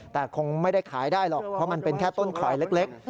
แต่คงไม่ได้ขายได้หรอกเพราะมันเป็นแค่ต้นข่อยเล็ก